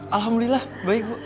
alhamdulillah baik bu